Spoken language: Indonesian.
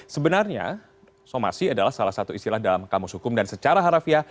sebenarnya somasi adalah salah satu istilah dalam kamus hukum dan secara harafiah